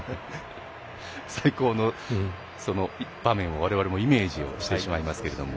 最高の場面を、われわれもイメージしてしまいますが。